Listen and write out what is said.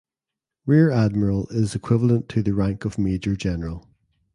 Rear admiral is equivalent to the rank of major general.